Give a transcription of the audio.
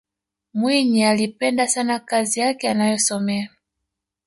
mwinyi aliipenda sana kazi yake anayosomea